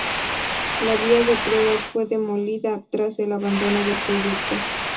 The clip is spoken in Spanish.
La vía de pruebas fue demolida tras el abandono del proyecto.